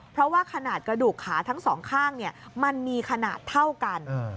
เพราะว่าขนาดกระดูกขาทั้งสองข้างมันมีขนาดเท่ากัน